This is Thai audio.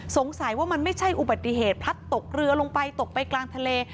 สงสัยว่ามันไม่ใช่อุบัติเหตุพลัดตกเรือลงไปตกไปกลางทะเล